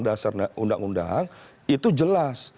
dasar undang undang itu jelas